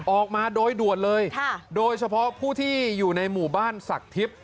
ออกมาโดยด่วนเลยโดยเฉพาะผู้ที่อยู่ในหมู่บ้านศักดิ์ทิพย์